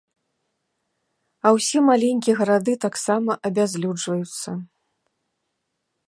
А ўсе маленькія гарады таксама абязлюджваюцца.